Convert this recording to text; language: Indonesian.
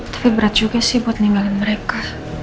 tapi berat juga sih buat ninggalin mereka